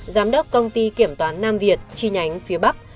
giám đốc công ty kiểm toán nam việt chi nhánh phía bắc